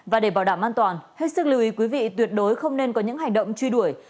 và để bảo đảm an toàn hết sức lưu ý quý vị tuyệt đối không nên có những hành động truy đuổi